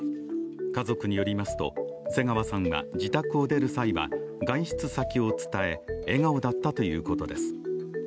家族によりますと、瀬川さんは自宅を出る際は外出先を伝え、笑顔だったということです。